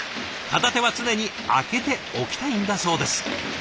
片手は常に空けておきたいんだそうです。